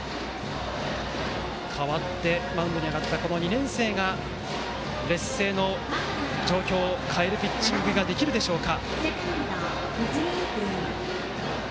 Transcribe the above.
代わってマウンドに上がった２年生が劣勢の状況を変えるピッチングができるでしょうか。